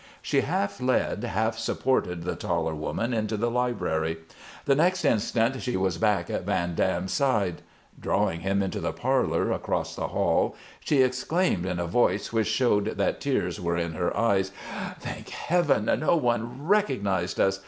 She half led, half supported the taller woman into the library. The next instant she was back at Van Dam's side. Drawing him into the parlor, across the hall, she exclaimed in a voice which showed that tears were in her eyes: "Thank Heaven, no one recognized us!